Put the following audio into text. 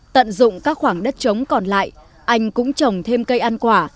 tận dụng các khoảng đất trống còn lại anh cũng trồng thêm cây ăn quả